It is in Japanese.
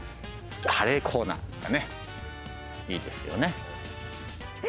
カレーコーナーいいですよね。